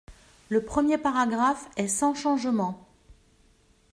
: Le premier paragraphe est sans changement.